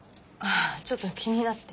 ちょっと気になって。